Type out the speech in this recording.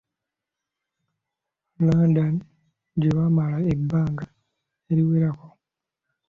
London, gye baamala ebbanga eriwerako.